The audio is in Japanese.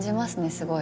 すごい。